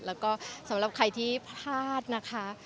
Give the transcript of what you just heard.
แล้วก็สำหรับใครที่พลาดนะคะ